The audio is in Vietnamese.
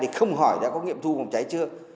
thì không hỏi đã có nghiệm thu phòng cháy chưa